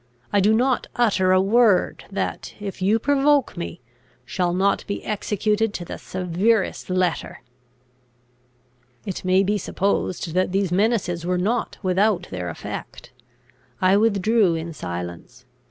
I do not utter a word, that, if you provoke me, shall not be executed to the severest letter!" It may be supposed that these menaces were not without their effect. I withdrew in silence.